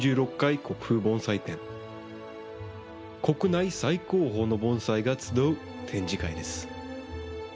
国内最高峰の盆栽が集う展示会です